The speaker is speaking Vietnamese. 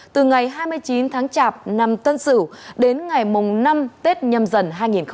hai mươi chín tháng chạp năm tân sửu đến ngày năm tết nhâm dần hai nghìn hai mươi hai